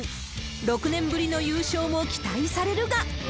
６年ぶりの優勝も期待されるが。